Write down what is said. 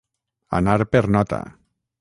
Anar per nota.